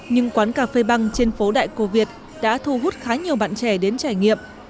nhưng quán cà phê băng trên phố đại cô việt đã thu hút khá nhiều bạn trẻ đến trải nghiệm